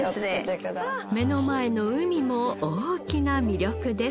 目の前の海も大きな魅力です